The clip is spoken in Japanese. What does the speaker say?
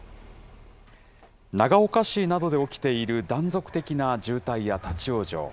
長岡市などで起きている断続的な渋滞や立往生。